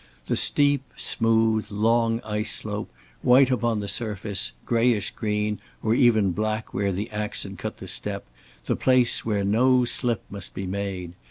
The steep, smooth, long ice slope, white upon the surface, grayish green or even black where the ax had cut the step, the place where no slip must be made.